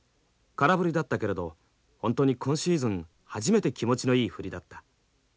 空振りだったけれど本当に今シーズン初めて気持ちのいい振りだった。